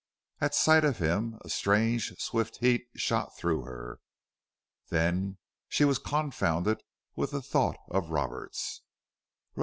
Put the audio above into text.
At sight of him a strange, swift heat shot through her. Then she was confounded with the thought of Roberts.